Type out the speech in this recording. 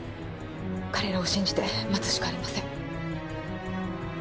彼らを信じて待つしかありません